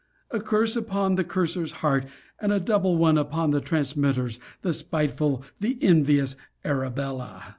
A curse upon the curser's heart, and a double one upon the transmitter's, the spiteful the envious Arabella!